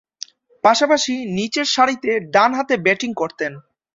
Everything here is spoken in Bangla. পাশাপাশি নিচেরসারিতে ডানহাতে ব্যাটিং করতেন।